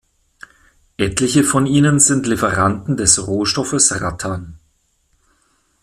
Etliche von ihnen sind Lieferanten des Rohstoffes Rattan.